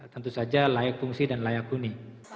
tentu saja layak fungsi dan layak huni